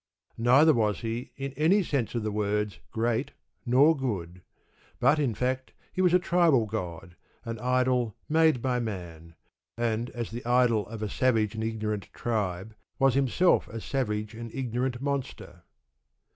Neither was He, in any sense of the words, great nor good. But, in fact, He was a tribal god, an idol, made by man; and, as the idol of a savage and ignorant tribe, was Himself a savage and ignorant monster.